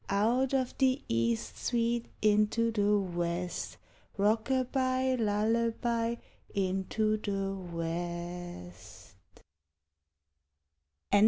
Out of the East, sweet, into the West, Rockaby, lullaby, into the West.